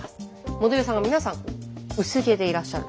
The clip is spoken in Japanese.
モデルさんが皆さん薄毛でいらっしゃる。